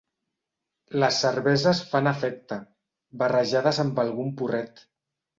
Les cerveses fan efecte, barrejades amb algun porret.